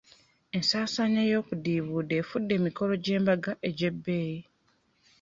Ensaasaanya y'okudiibuuda efudde emikolo gy'embaga egy'ebbeeyi.